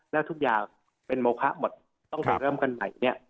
แล้วทุกอย่างเป็นโมคะหมดต้องไปเริ่มกันใหม่เนี่ย